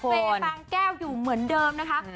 เฟ้แฟงแก้วอยู่เหมือนเดิมนะครับ